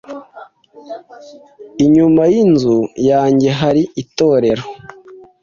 Inyuma yinzu yanjye hari itorero.